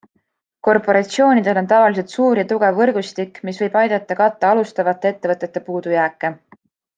Korporatsioonidel on tavaliselt suur ja tugev võrgustik, mis võib aidata katta alustavate ettevõtete puudujääke.